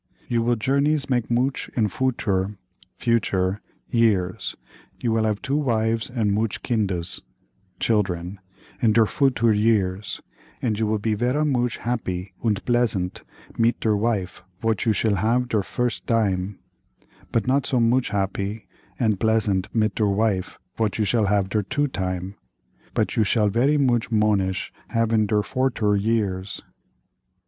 You will journeys make mooch in footoor (future) years. You will have two wifes and mooch kindes (children) in der footoor years, and you will be vera mooch happy und bleasant mit der wife vot you shall have der first dime, but not so mooch happy und bleasant mit der wife vot you shall have der two time, but you shall vera mooch monish have in der fortoor years."